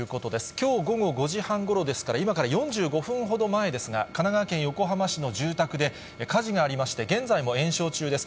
きょう午後５時半ごろですから、今から４５分ほど前ですが、神奈川県横浜市の住宅で火事がありまして、現在も延焼中です。